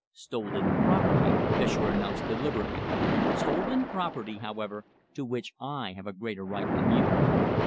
"Stolen property," Fischer announced deliberately "stolen property, however, to which I have a greater right than you."